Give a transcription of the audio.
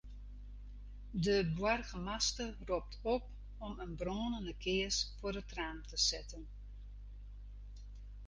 De boargemaster ropt op om in brânende kears foar it raam te setten.